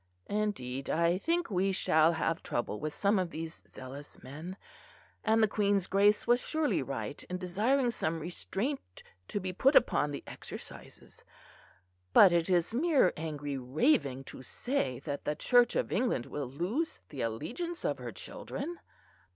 Indeed, I think we shall have trouble with some of these zealous men; and the Queen's Grace was surely right in desiring some restraint to be put upon the Exercises. But it is mere angry raving to say that the Church of England will lose the allegiance of her children."